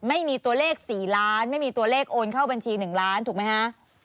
ไม่มีตัวเลข๔ล้านไม่มีตัวเลขโอนเข้าบัญชี๑ล้านถูกไหมฮะ